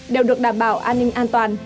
đều được đảm bảo an ninh an toàn